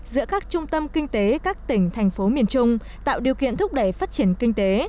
giữa các trung tâm kinh tế các tỉnh thành phố miền trung tạo điều kiện thúc đẩy phát triển kinh tế